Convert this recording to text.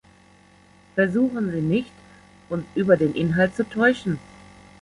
Versuchen Sie nicht, uns über den Inhalt zu täuschen.